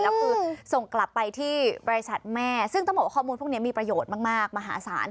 แล้วคือส่งกลับไปที่บริษัทแม่ซึ่งต้องบอกว่าข้อมูลพวกนี้มีประโยชน์มากมหาศาล